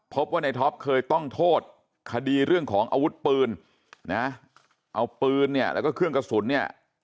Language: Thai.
พบว่าในท็อปเคยต้องโทษคดีเรื่องของอาวุธปืนนะเอาปืนเนี่ยแล้วก็เครื่องกระสุนเนี่ย